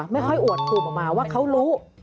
ไม่ค่อยอวดภูมิออกมาว่าเขารู้